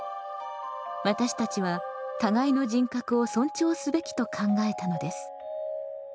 私たちは互いの人格を尊重すべきと考えたのです。